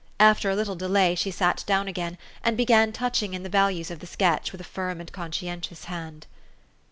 After a little delay she sat down again, and began touching in the values of the sketch with a firm and conscientious hand.